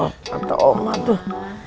kata omah tuh